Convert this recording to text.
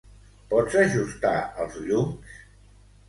Pots ajustar els llums?